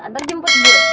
antar jemput gue